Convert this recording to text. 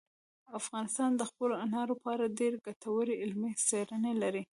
افغانستان د خپلو انارو په اړه ډېرې ګټورې علمي څېړنې لري.